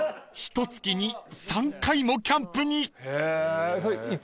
［ひとつきに３回もキャンプに！］